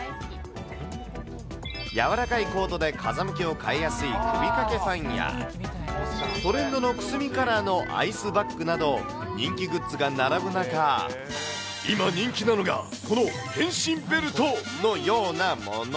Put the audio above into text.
柔らかいコードで風向きを変えやすい首かけファンや、トレンドのくすみカラーのアイスバッグなど、人気グッズが並ぶ中、今人気なのが、この変身ベルトのようなもの。